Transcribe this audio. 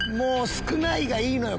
少ないがいいのよ